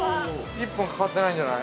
１分かかってないんじゃない。